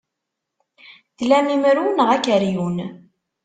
Tlam imru neɣ akeryun?